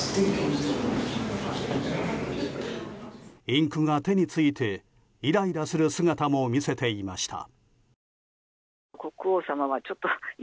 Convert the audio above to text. インクが手についてイライラする姿も見せていました。